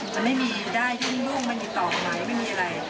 มันไม่มีด้ายที่ดูมมันยุตอมไหมไม่มีอะไร